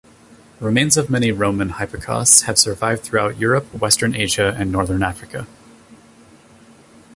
Remains of many Roman hypocausts have survived throughout Europe, western Asia, and northern Africa.